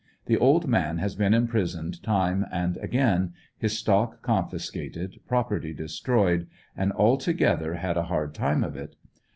The old man has been imprisoned time and again, his stock confiscated, property destroyed, and all together had a hard time of it.